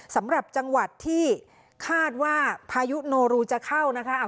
สำหรับจังหวัดที่คาดว่าพายุโนรูจะเข้านะคะ